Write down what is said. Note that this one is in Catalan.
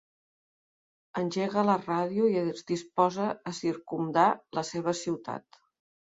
Engega la ràdio i es disposa a circumdar la seva ciutat.